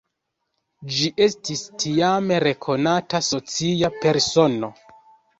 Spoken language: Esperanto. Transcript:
Ĝi estis tiam rekonata socia persono.